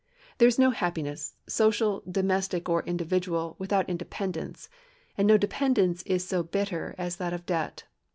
There is no happiness, social, domestic, or individual, without independence; and no dependence is so bitter as that of debt.